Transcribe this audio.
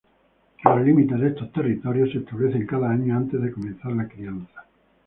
Los límites de estos territorios se establecen cada año antes de comenzar la crianza.